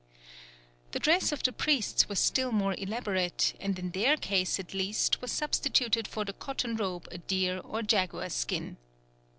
The dress of the priests was still more elaborate, and in their case at least was substituted for the cotton robe a deer or jaguar skin.